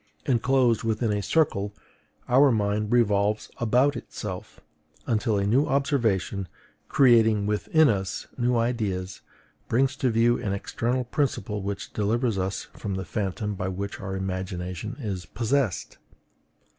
Enclosed within a circle, our mind revolves about itself, until a new observation, creating within us new ideas, brings to view an external principle which delivers us from the phantom by which our imagination is possessed.